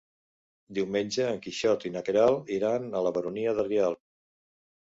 Diumenge en Quixot i na Queralt iran a la Baronia de Rialb.